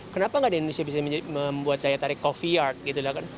kenapa nggak di indonesia bisa membuat daya tarik coffee yard